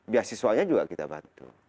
biasiswanya juga kita bantu